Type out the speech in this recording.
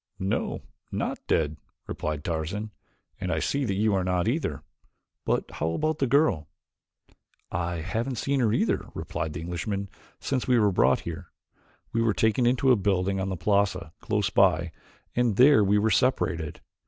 "No, not dead," replied Tarzan, "and I see that you are not either. But how about the girl?" "I haven't seen her," replied the Englishman, "since we were brought here. We were taken into a building on the plaza close by and there we were separated.